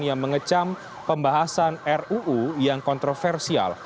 yang mengecam pembahasan ruu yang kontroversial